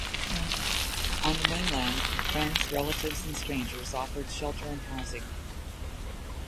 On the mainland, friends, relatives and strangers offered shelter and housing.